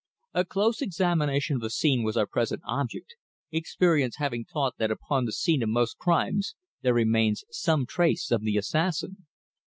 A close examination of the scene was our present object, experience having taught that upon the scene of most crimes there remains some trace of the assassin.